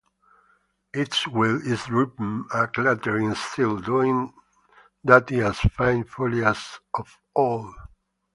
Its wheel is dripping and clattering still, doing duty as faithfully as of old.